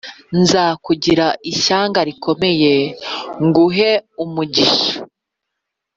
Nzakugira ishyanga rikomeye nguhe umugisha